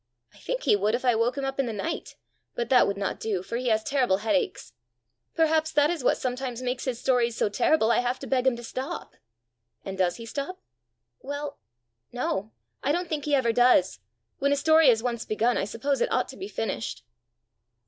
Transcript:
I think he would if I woke him up in the night! But that would not do, for he has terrible headaches. Perhaps that is what sometimes makes his stories so terrible I have to beg him to stop!" "And does he stop?" "Well no I don't think he ever does. When a story is once begun, I suppose it ought to be finished!"